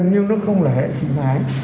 nhưng nó không là hệ sinh thái